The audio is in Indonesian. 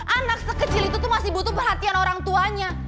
anak sekecil itu tuh masih butuh perhatian orang tuanya